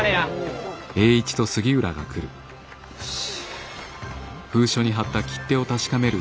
よし。